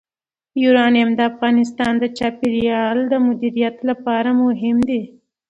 یورانیم د افغانستان د چاپیریال د مدیریت لپاره مهم دي.